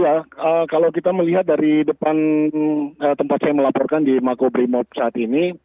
ya kalau kita melihat dari depan tempat saya melaporkan di makobrimob saat ini